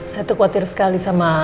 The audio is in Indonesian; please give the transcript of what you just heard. saya tuh khawatir sekali sama